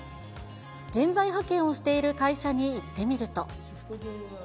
人材派遣をしている会社に行ってみると。